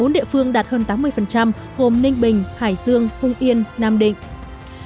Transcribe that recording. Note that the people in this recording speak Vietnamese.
bốn địa phương đạt hơn tám mươi gồm ninh bình hải dương hùng yên nam định